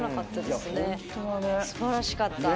すばらしかった。